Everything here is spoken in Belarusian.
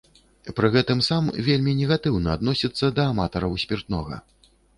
Пры гэтым сам вельмі негатыўна адносіцца да аматараў спіртнога.